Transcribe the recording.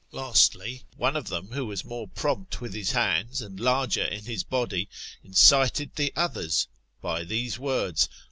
Lastly, one of them who was more prompt with his hands and larger in his body, incited the others by these words.